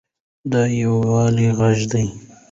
دا د یووالي غږ دی.